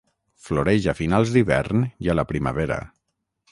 Floreix a finals d'hivern i a la primavera.